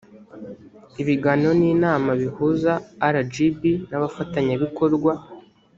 ibiganiro n’inama bihuza rgb n’abafatanyabikorwa